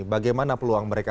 bagaimana peluang mereka